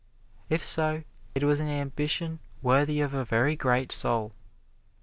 If so, it was an ambition worthy of a very great soul.